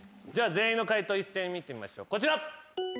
全員の解答一斉に見てみましょうこちら。